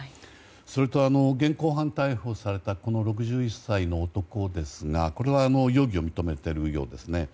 それと現行犯逮捕されたこの６１歳の男ですが容疑を認めているようですね。